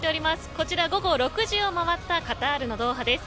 こちら午後６時を回ったカタールのドーハです。